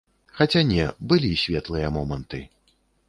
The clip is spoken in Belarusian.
Хаця не, былі светлыя моманты.